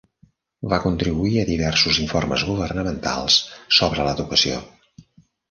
Va contribuir a diversos informes governamentals sobre l'educació.